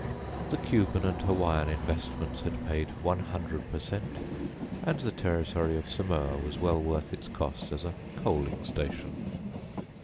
The Cuban and Hawaiian investments had paid one hundred per cent and the territory of Samoa was well worth its cost as a coaling station.